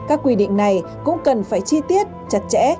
các quy định này cũng cần phải chi tiết chặt chẽ